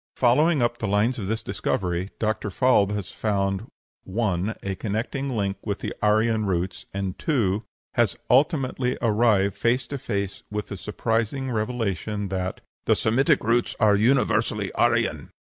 Following up the lines of this discovery, Dr. Falb has found (1) a connecting link with the Aryan roots, and (2) has ultimately arrived face to face with the surprising revelation that "the Semitic roots are universally Aryan."